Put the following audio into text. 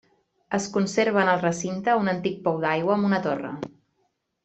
Es conserva en el recinte un antic pou d'aigua amb una torre.